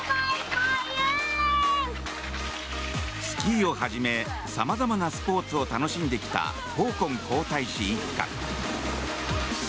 スキーをはじめさまざまなスポーツを楽しんできたホーコン皇太子一家。